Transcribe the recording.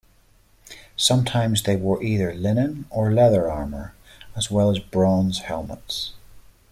Sometimes they wore either linen or leather armour, as well as bronze helmets.